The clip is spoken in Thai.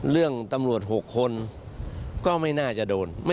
เรื่องตำรวจ๖คนก็ไม่น่าจะโดน